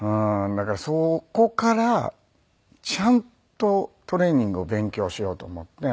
だからそこからちゃんとトレーニングを勉強しようと思って。